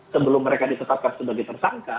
sebelum mereka ditetapkan sebagai tersangka